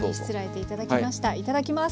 いただきます。